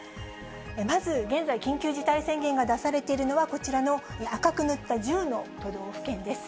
まず現在、緊急事態宣言が出されているのは、こちらの赤く塗った１０の都道府県です。